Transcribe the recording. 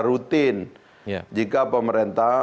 rutin jika pemerintah